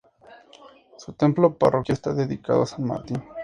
Su templo parroquial está dedicado a San Martín.